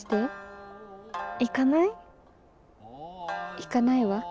行かないわ。